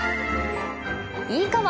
いいかも！